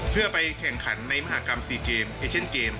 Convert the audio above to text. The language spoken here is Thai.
เพื่อไปแข่งขันในมหากรรม๔เกมเอเชนเกม